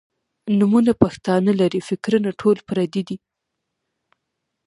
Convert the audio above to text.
نومونه پښتانۀ لــري فکـــــــــــرونه ټول پردي دي